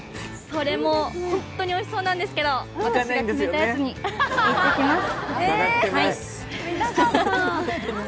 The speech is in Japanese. それもほんっとにおいしそうなんですけれども、私が決めたやつに行ってきます。